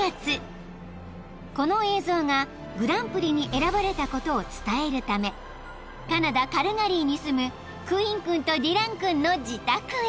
［この映像がグランプリに選ばれたことを伝えるためカナダカルガリーに住むクイン君とディラン君の自宅へ］